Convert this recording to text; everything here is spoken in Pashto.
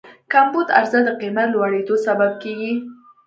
کمبود عرضه د قیمت لوړېدو سبب کېږي.